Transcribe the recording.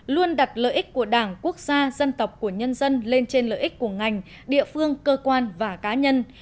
luôn đặt lợi ích của đảng quốc gia dân tộc của nhân dân lên trên lợi ích của ngành địa phương cơ quan và cá nhân